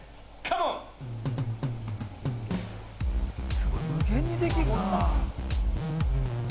すごい、無限にできるな。